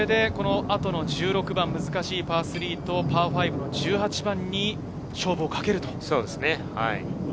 片岡はこれでこの後の１７番、難しいパー３とパー５の１８番に勝負をかけると。